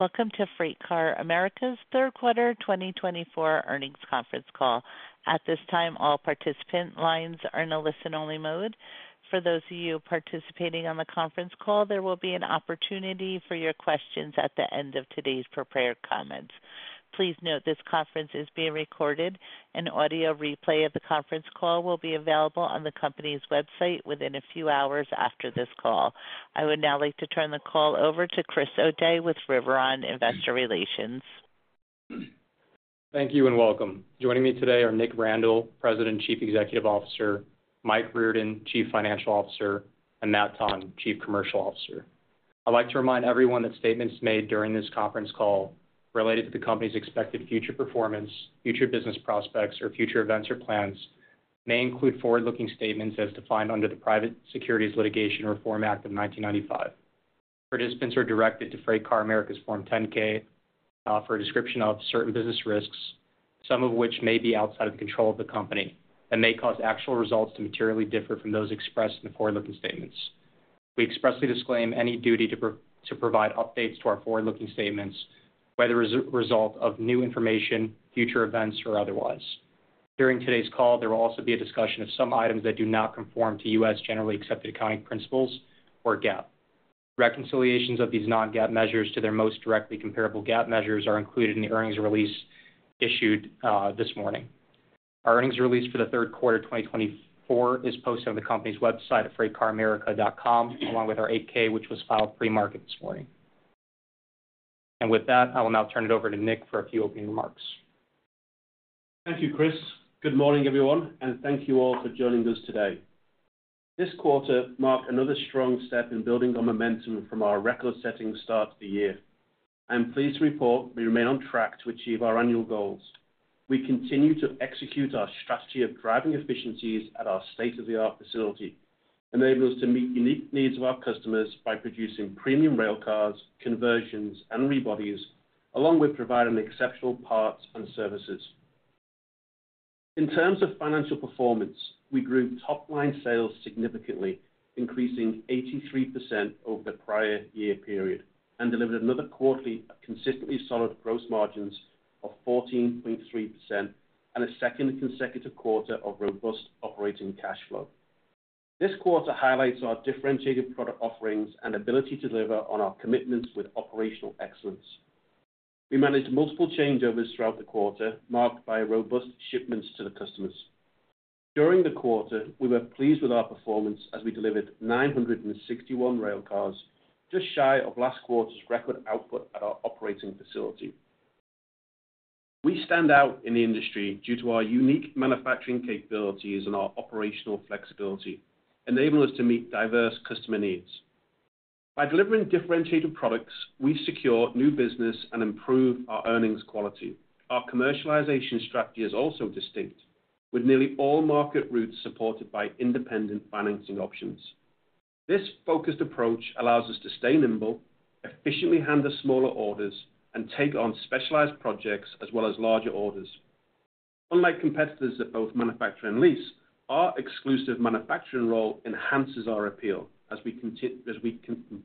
Welcome to FreightCar America's third quarter 2024 earnings conference call. At this time, all participant lines are in a listen-only mode. For those of you participating on the conference call, there will be an opportunity for your questions at the end of today's prepared comments. Please note this conference is being recorded, and audio replay of the conference call will be available on the company's website within a few hours after this call. I would now like to turn the call over to Chris O'Dea with Riveron Investor Relations. Thank you and welcome. Joining me today are Nick Randall, President and Chief Executive Officer, Mike Riordan, Chief Financial Officer, and Matt Tonn, Chief Commercial Officer. I'd like to remind everyone that statements made during this conference call related to the company's expected future performance, future business prospects, or future events or plans may include forward-looking statements as defined under the Private Securities Litigation Reform Act of 1995. Participants are directed to FreightCar America's Form 10-K for a description of certain business risks, some of which may be outside of the control of the company and may cause actual results to materially differ from those expressed in the forward-looking statements. We expressly disclaim any duty to provide updates to our forward-looking statements, whether as a result of new information, future events, or otherwise. During today's call, there will also be a discussion of some items that do not conform to U.S. generally accepted accounting principles or GAAP. Reconciliations of these non-GAAP measures to their most directly comparable GAAP measures are included in the earnings release issued this morning. Our earnings release for the third quarter 2024 is posted on the company's website at freightcaramerica.com, along with our 8-K, which was filed pre-market this morning, and with that, I will now turn it over to Nick for a few opening remarks. Thank you, Chris. Good morning, everyone, and thank you all for joining us today. This quarter marked another strong step in building our momentum from our record-setting start to the year. I am pleased to report we remain on track to achieve our annual goals. We continue to execute our strategy of driving efficiencies at our state-of-the-art facility, enabling us to meet the unique needs of our customers by producing premium railcars, conversions, and rebodies, along with providing exceptional parts and services. In terms of financial performance, we grew top-line sales significantly, increasing 83% over the prior year period, and delivered another quarterly consistently solid gross margins of 14.3% and a second consecutive quarter of robust operating cash flow. This quarter highlights our differentiated product offerings and ability to deliver on our commitments with operational excellence. We managed multiple changeovers throughout the quarter, marked by robust shipments to the customers. During the quarter, we were pleased with our performance as we delivered 961 railcars, just shy of last quarter's record output at our operating facility. We stand out in the industry due to our unique manufacturing capabilities and our operational flexibility, enabling us to meet diverse customer needs. By delivering differentiated products, we secure new business and improve our earnings quality. Our commercialization strategy is also distinct, with nearly all market routes supported by independent financing options. This focused approach allows us to stay nimble, efficiently handle smaller orders, and take on specialized projects as well as larger orders. Unlike competitors at both manufacturing and lease, our exclusive manufacturing role enhances our appeal as we can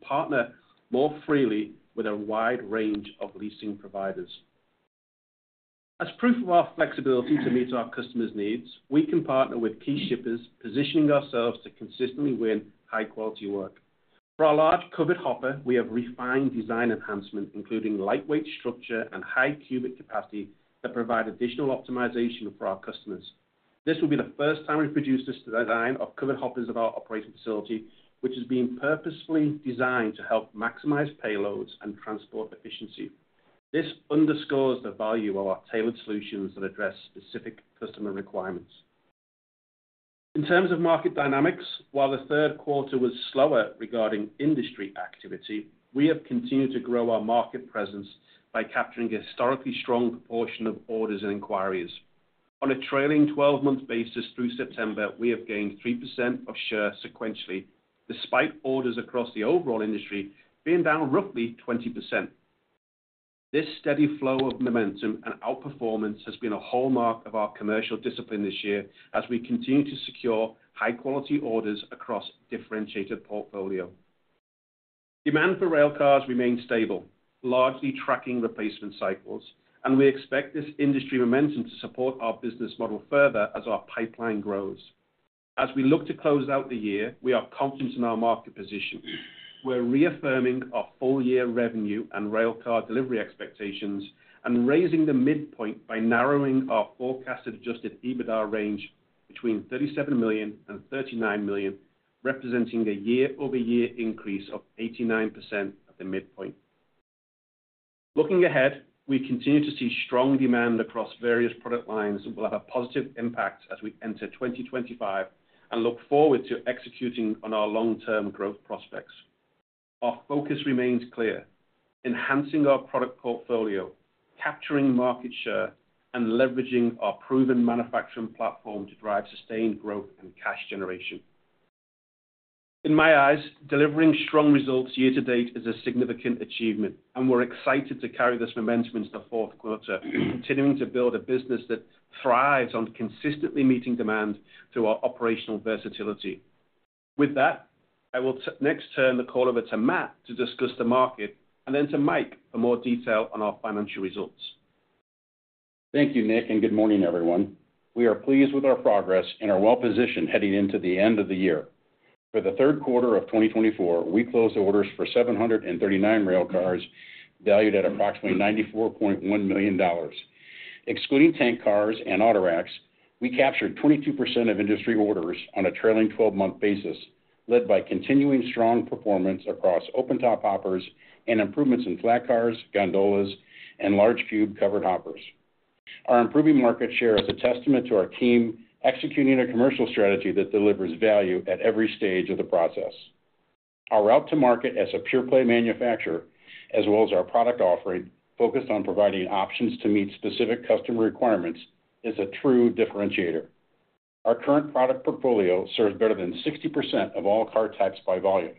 partner more freely with a wide range of leasing providers. As proof of our flexibility to meet our customers' needs, we can partner with key shippers, positioning ourselves to consistently win high-quality work. For our large covered hopper, we have refined design enhancements, including lightweight structure and high cubic capacity that provide additional optimization for our customers. This will be the first time we've produced this design of covered hoppers at our operating facility, which has been purposefully designed to help maximize payloads and transport efficiency. This underscores the value of our tailored solutions that address specific customer requirements. In terms of market dynamics, while the third quarter was slower regarding industry activity, we have continued to grow our market presence by capturing a historically strong proportion of orders and inquiries. On a trailing 12-month basis through September, we have gained 3% of share sequentially, despite orders across the overall industry being down roughly 20%. This steady flow of momentum and outperformance has been a hallmark of our commercial discipline this year as we continue to secure high-quality orders across a differentiated portfolio. Demand for railcars remains stable, largely tracking replacement cycles, and we expect this industry momentum to support our business model further as our pipeline grows. As we look to close out the year, we are confident in our market position. We're reaffirming our full-year revenue and railcar delivery expectations and raising the midpoint by narrowing our forecasted Adjusted EBITDA range between $37 million and $39 million, representing a year-over-year increase of 89% at the midpoint. Looking ahead, we continue to see strong demand across various product lines that will have a positive impact as we enter 2025 and look forward to executing on our long-term growth prospects. Our focus remains clear: enhancing our product portfolio, capturing market share, and leveraging our proven manufacturing platform to drive sustained growth and cash generation. In my eyes, delivering strong results year-to-date is a significant achievement, and we're excited to carry this momentum into the fourth quarter, continuing to build a business that thrives on consistently meeting demand through our operational versatility. With that, I will next turn the call over to Matt to discuss the market and then to Mike for more detail on our financial results. Thank you, Nick, and good morning, everyone. We are pleased with our progress and are well-positioned heading into the end of the year. For the third quarter of 2024, we closed orders for 739 railcars valued at approximately $94.1 million. Excluding tank cars and auto racks, we captured 22% of industry orders on a trailing 12-month basis, led by continuing strong performance across open-top hoppers and improvements in flat cars, gondolas, and large cube covered hoppers. Our improving market share is a testament to our team executing a commercial strategy that delivers value at every stage of the process. Our route to market as a pure-play manufacturer, as well as our product offering focused on providing options to meet specific customer requirements, is a true differentiator. Our current product portfolio serves better than 60% of all car types by volume.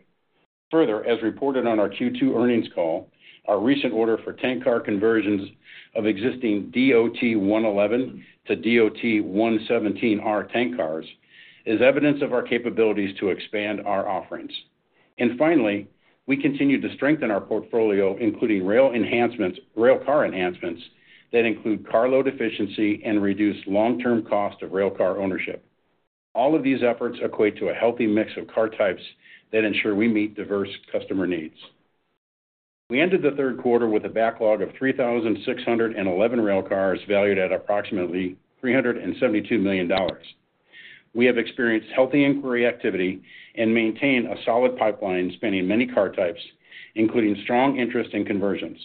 Further, as reported on our Q2 earnings call, our recent order for tank car conversions of existing DOT 111 to DOT 117R tank cars is evidence of our capabilities to expand our offerings. And finally, we continue to strengthen our portfolio, including rail enhancements, railcar enhancements that include carload efficiency and reduced long-term cost of railcar ownership. All of these efforts equate to a healthy mix of car types that ensure we meet diverse customer needs. We ended the third quarter with a backlog of 3,611 railcars valued at approximately $372 million. We have experienced healthy inquiry activity and maintain a solid pipeline spanning many car types, including strong interest in conversions.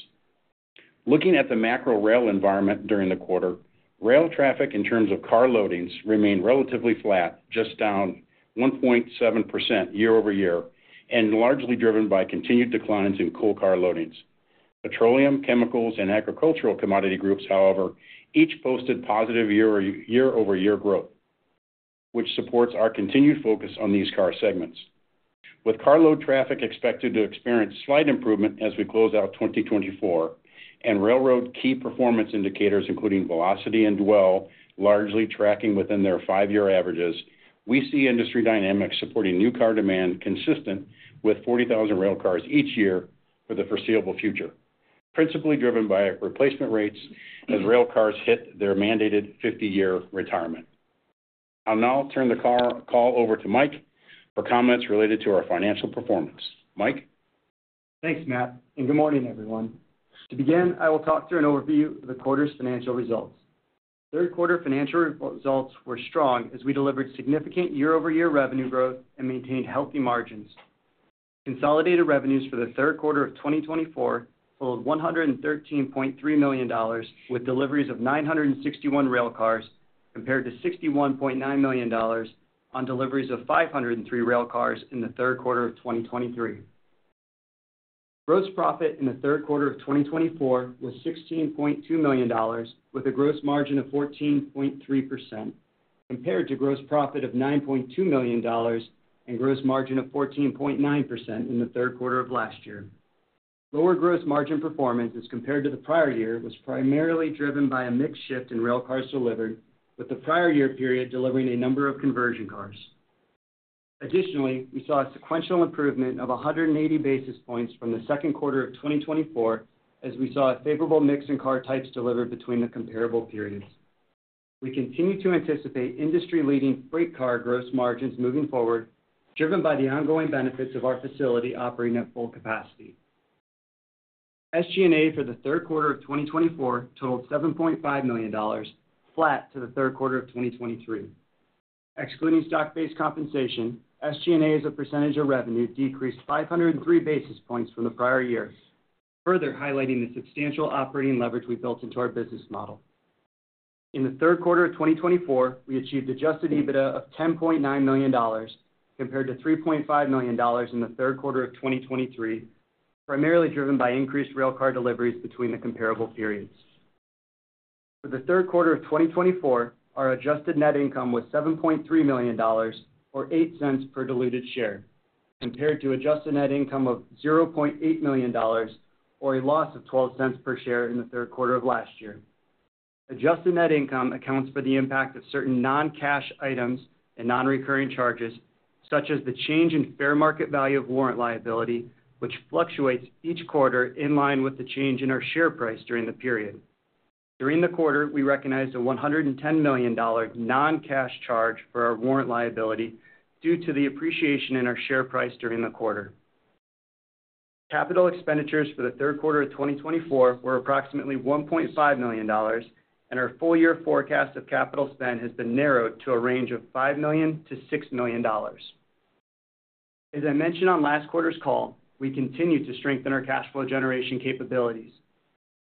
Looking at the macro rail environment during the quarter, rail traffic in terms of carloadings remained relatively flat, just down 1.7% year-over-year, and largely driven by continued declines in coal carloadings. Petroleum, chemicals, and agricultural commodity groups, however, each posted positive year-over-year growth, which supports our continued focus on these car segments. With carload traffic expected to experience slight improvement as we close out 2024 and railroad key performance indicators, including velocity and dwell, largely tracking within their five-year averages, we see industry dynamics supporting new car demand consistent with 40,000 railcars each year for the foreseeable future, principally driven by replacement rates as railcars hit their mandated 50-year retirement. I'll now turn the call over to Mike for comments related to our financial performance. Mike. Thanks, Matt, and good morning, everyone. To begin, I will talk through an overview of the quarter's financial results. Third-quarter financial results were strong as we delivered significant year-over-year revenue growth and maintained healthy margins. Consolidated revenues for the third quarter of 2024 totaled $113.3 million, with deliveries of 961 railcars compared to $61.9 million on deliveries of 503 railcars in the third quarter of 2023. Gross profit in the third quarter of 2024 was $16.2 million, with a gross margin of 14.3%, compared to gross profit of $9.2 million and gross margin of 14.9% in the third quarter of last year. Lower gross margin performance, as compared to the prior year, was primarily driven by a mixed shift in railcars delivered, with the prior year period delivering a number of conversion cars. Additionally, we saw a sequential improvement of 180 basis points from the second quarter of 2024, as we saw a favorable mix in car types delivered between the comparable periods. We continue to anticipate industry-leading freight car gross margins moving forward, driven by the ongoing benefits of our facility operating at full capacity. SG&A for the third quarter of 2024 totaled $7.5 million, flat to the third quarter of 2023. Excluding stock-based compensation, SG&A's percentage of revenue decreased 503 basis points from the prior year, further highlighting the substantial operating leverage we built into our business model. In the third quarter of 2024, we achieved Adjusted EBITDA of $10.9 million, compared to $3.5 million in the third quarter of 2023, primarily driven by increased railcar deliveries between the comparable periods. For the third quarter of 2024, our Adjusted Net Income was $7.3 million, or $0.08 per diluted share, compared to Adjusted Net Income of $0.8 million, or a loss of $0.12 per share in the third quarter of last year. Adjusted net income accounts for the impact of certain non-cash items and non-recurring charges, such as the change in fair market value of warrant liability, which fluctuates each quarter in line with the change in our share price during the period. During the quarter, we recognized a $110 million non-cash charge for our warrant liability due to the appreciation in our share price during the quarter. Capital expenditures for the third quarter of 2024 were approximately $1.5 million, and our full-year forecast of capital spend has been narrowed to a range of $5 million-$6 million. As I mentioned on last quarter's call, we continue to strengthen our cash flow generation capabilities.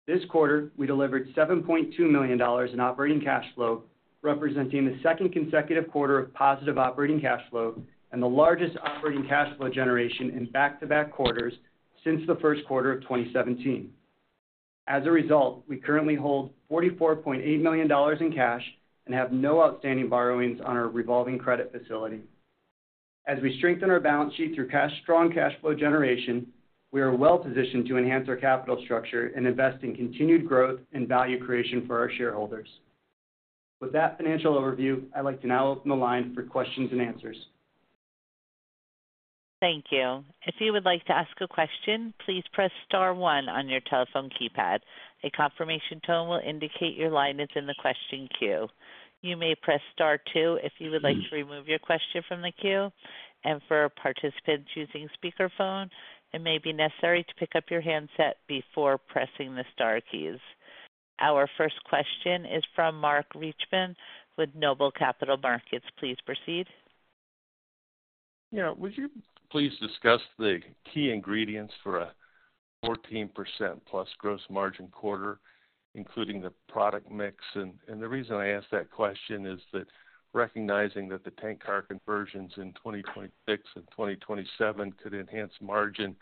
This quarter, we delivered $7.2 million in operating cash flow, representing the second consecutive quarter of positive operating cash flow and the largest operating cash flow generation in back-to-back quarters since the first quarter of 2017. As a result, we currently hold $44.8 million in cash and have no outstanding borrowings on our revolving credit facility. As we strengthen our balance sheet through strong cash flow generation, we are well-positioned to enhance our capital structure and invest in continued growth and value creation for our shareholders. With that financial overview, I'd like to now open the line for questions and answers. Thank you. If you would like to ask a question, please press Star 1 on your telephone keypad. A confirmation tone will indicate your line is in the question queue. You may press Star 2 if you would like to remove your question from the queue. And for participants using speakerphone, it may be necessary to pick up your handset before pressing the Star keys. Our first question is from Mark Reichman with Noble Capital Markets. Please proceed. Yeah. Would you please discuss the key ingredients for a 14% plus gross margin quarter, including the product mix? And the reason I ask that question is that recognizing that the tank car conversions in 2026 and 2027 could enhance margin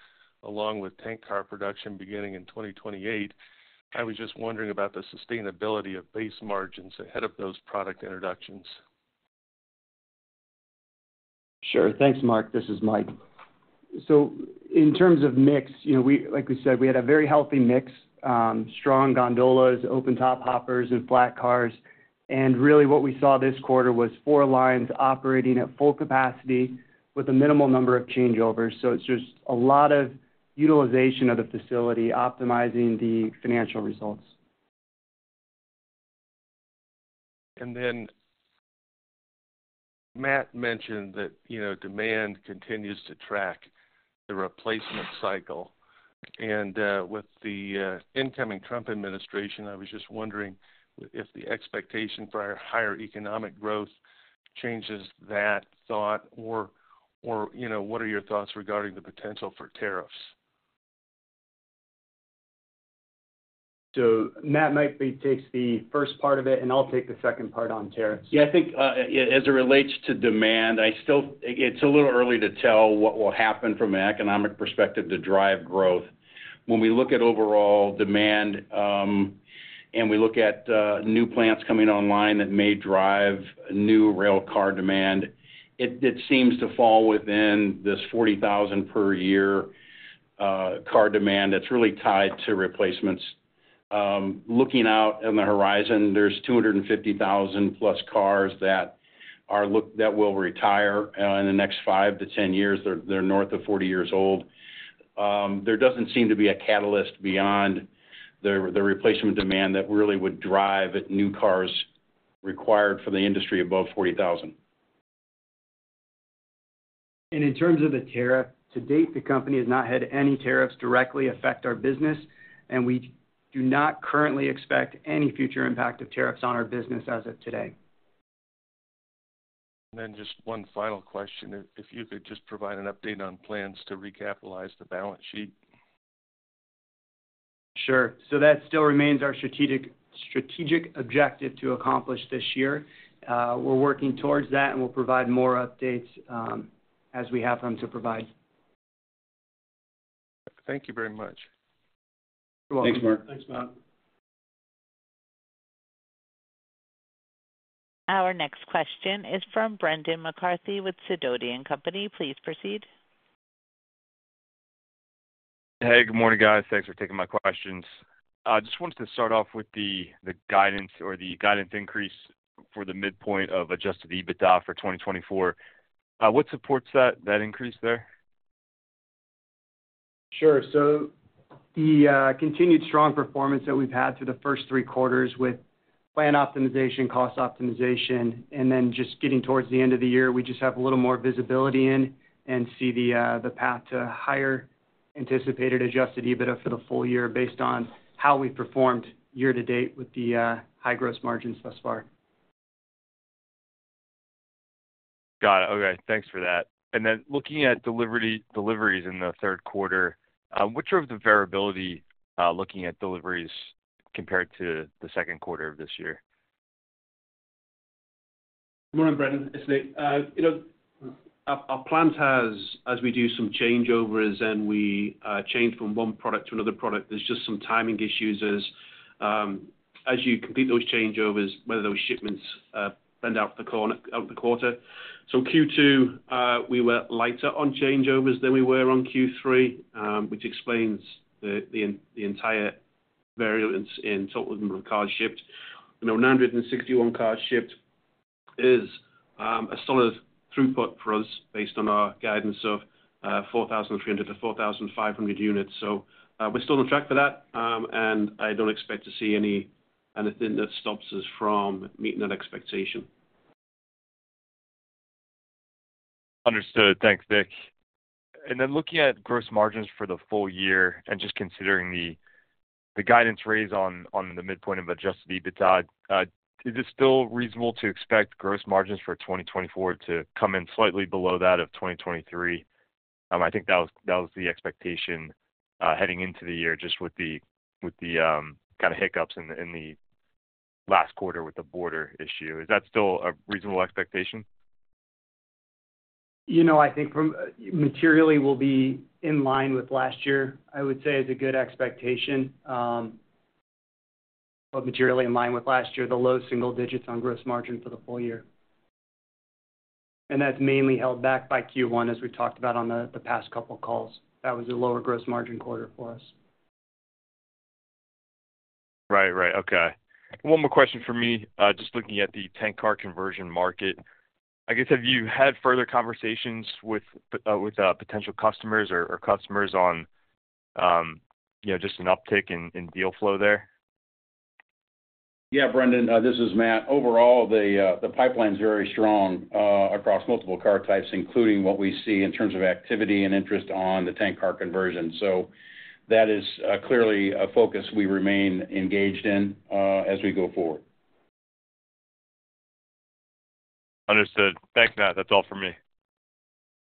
along with tank car production beginning in 2028, I was just wondering about the sustainability of base margins ahead of those product introductions. Sure. Thanks, Mark. This is Mike. So in terms of mix, like we said, we had a very healthy mix: strong gondolas, open-top hoppers, and flat cars. And really, what we saw this quarter was four lines operating at full capacity with a minimal number of changeovers. So it's just a lot of utilization of the facility, optimizing the financial results. Then Matt mentioned that demand continues to track the replacement cycle. With the incoming Trump administration, I was just wondering if the expectation for our higher economic growth changes that thought, or what are your thoughts regarding the potential for tariffs? So Matt might take the first part of it, and I'll take the second part on tariffs. Yeah. I think as it relates to demand, it's a little early to tell what will happen from an economic perspective to drive growth. When we look at overall demand and we look at new plants coming online that may drive new railcar demand, it seems to fall within this 40,000 per year car demand that's really tied to replacements. Looking out on the horizon, there's 250,000-plus cars that will retire in the next five to 10 years. They're north of 40 years old. There doesn't seem to be a catalyst beyond the replacement demand that really would drive new cars required for the industry above 40,000. In terms of the tariff, to date, the company has not had any tariffs directly affect our business, and we do not currently expect any future impact of tariffs on our business as of today. Just one final question. If you could just provide an update on plans to recapitalize the balance sheet. Sure. So that still remains our strategic objective to accomplish this year. We're working towards that, and we'll provide more updates as we have them to provide. Thank you very much. You're welcome. Thanks, Mark. Thanks, Matt. Our next question is from Brendan McCarthy with Sidoti & Company. Please proceed. Hey, good morning, guys. Thanks for taking my questions. I just wanted to start off with the guidance or the guidance increase for the midpoint of Adjusted EBITDA for 2024. What supports that increase there? Sure, so the continued strong performance that we've had through the first three quarters with plan optimization, cost optimization, and then just getting towards the end of the year, we just have a little more visibility in and see the path to higher anticipated Adjusted EBITDA for the full year based on how we performed year-to-date with the high gross margins thus far. Got it. Okay. Thanks for that. And then looking at deliveries in the third quarter, which are of the variability looking at deliveries compared to the second quarter of this year? Good morning, Brendan. It's Nick. Our plans have, as we do some changeovers and we change from one product to another product, there's just some timing issues as you complete those changeovers, whether those shipments bend out of the quarter. So Q2, we were lighter on changeovers than we were on Q3, which explains the entire variance in total number of cars shipped. 961 cars shipped is a solid throughput for us based on our guidance of 4,300-4,500 units. So we're still on track for that, and I don't expect to see anything that stops us from meeting that expectation. Understood. Thanks, Nick. And then looking at gross margins for the full year and just considering the guidance raised on the midpoint of Adjusted EBITDA, is it still reasonable to expect gross margins for 2024 to come in slightly below that of 2023? I think that was the expectation heading into the year just with the kind of hiccups in the last quarter with the border issue. Is that still a reasonable expectation? I think materially will be in line with last year, I would say, is a good expectation, but materially in line with last year, the low single digits on gross margin for the full year, and that's mainly held back by Q1, as we've talked about on the past couple of calls. That was a lower gross margin quarter for us. Right, right. Okay. One more question for me. Just looking at the tank car conversion market, I guess, have you had further conversations with potential customers or customers on just an uptick in deal flow there? Yeah, Brendan, this is Matt. Overall, the pipeline is very strong across multiple car types, including what we see in terms of activity and interest on the tank car conversion. So that is clearly a focus we remain engaged in as we go forward. Understood. Thanks, Matt. That's all for me.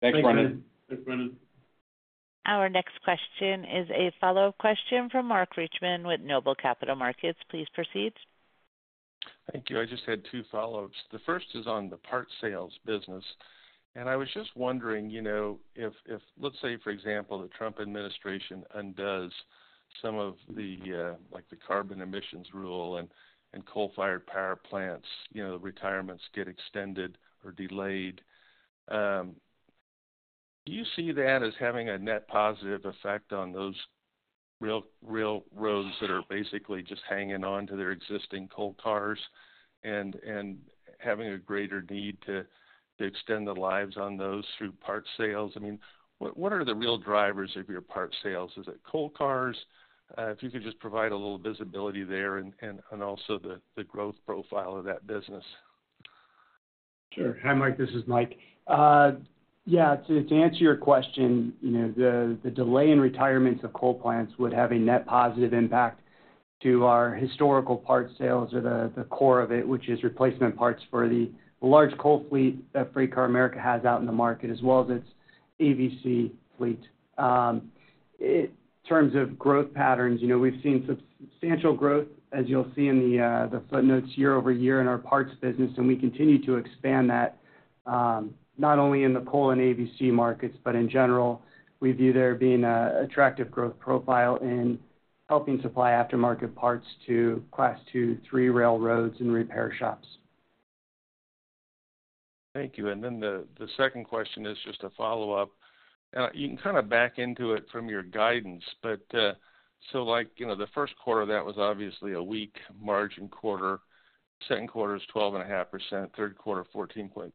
Thanks, Brendan. Thanks, Brendan. Our next question is a follow-up question from Mark Reichman with Noble Capital Markets. Please proceed. Thank you. I just had two follow-ups. The first is on the parts sales business. And I was just wondering if, let's say, for example, the Trump administration undoes some of the carbon emissions rule and coal-fired power plants, the retirements get extended or delayed. Do you see that as having a net positive effect on those railroads that are basically just hanging on to their existing coal cars and having a greater need to extend the lives on those through parts sales? I mean, what are the real drivers of your parts sales? Is it coal cars? If you could just provide a little visibility there and also the growth profile of that business. Sure. Hi, Mike. This is Mike. Yeah. To answer your question, the delay in retirements of coal plants would have a net positive impact to our historical parts sales or the core of it, which is replacement parts for the large coal fleet that FreightCar America has out in the market, as well as its AVC fleet. In terms of growth patterns, we've seen substantial growth, as you'll see in the footnotes year over year in our parts business, and we continue to expand that not only in the coal and AVC markets, but in general. We view there being an attractive growth profile in helping supply aftermarket parts to Class 2, 3 railroads and repair shops. Thank you. And then the second question is just a follow-up. And you can kind of back into it from your guidance. So the first quarter of that was obviously a weak margin quarter. Second quarter is 12.5%. Third quarter, 14.3%.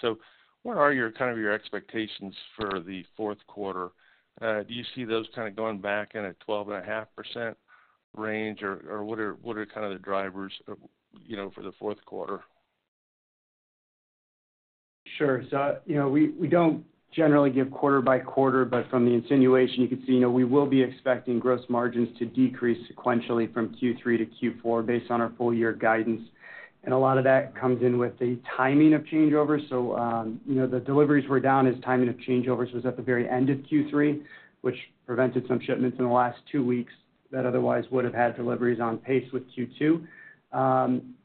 So what are kind of your expectations for the fourth quarter? Do you see those kind of going back in a 12.5% range, or what are kind of the drivers for the fourth quarter? Sure, so we don't generally give quarter by quarter, but from the insinuation, you can see we will be expecting gross margins to decrease sequentially from Q3 to Q4 based on our full-year guidance, and a lot of that comes in with the timing of changeovers, so the deliveries were down as timing of changeovers was at the very end of Q3, which prevented some shipments in the last two weeks that otherwise would have had deliveries on pace with Q2,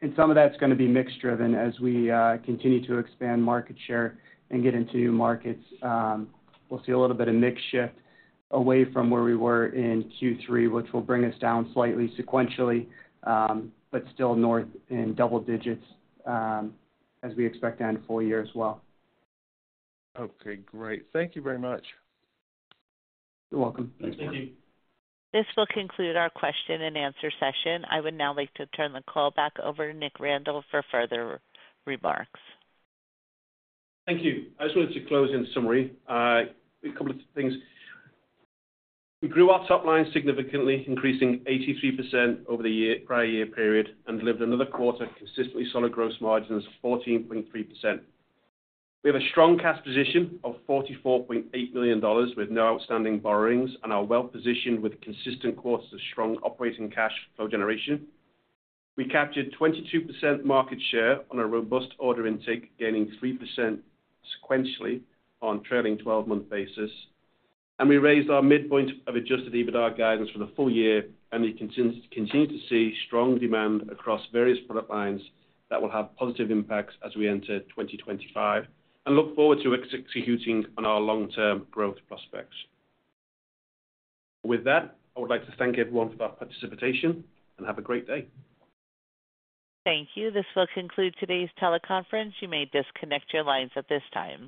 and some of that's going to be mixed-driven as we continue to expand market share and get into new markets. We'll see a little bit of mixed shift away from where we were in Q3, which will bring us down slightly sequentially, but still north in double digits as we expect to end full year as well. Okay. Great. Thank you very much. You're welcome. Thanks. Thank you. This will conclude our question-and-answer session. I would now like to turn the call back over to Nick Randall for further remarks. Thank you. I just wanted to close in summary a couple of things. We grew our top line significantly, increasing 83% over the prior year period and delivered another quarter consistently solid gross margins of 14.3%. We have a strong cash position of $44.8 million with no outstanding borrowings and are well-positioned with consistent quarters of strong operating cash flow generation. We captured 22% market share on a robust order intake, gaining 3% sequentially on a trailing 12-month basis, and we raised our midpoint of Adjusted EBITDA guidance for the full year, and we continue to see strong demand across various product lines that will have positive impacts as we enter 2025 and look forward to executing on our long-term growth prospects. With that, I would like to thank everyone for their participation and have a great day. Thank you. This will conclude today's teleconference. You may disconnect your lines at this time.